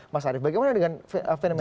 mas arief bagaimana dengan fenomena fenomena ini